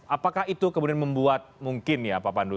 apakah itu kemudian membuat mungkin ya pak pandu